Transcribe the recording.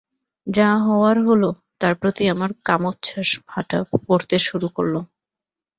যা হওয়ার হলো, তার প্রতি আমার কামোচ্ছ্বাসে ভাটা পড়তে শুরু করল।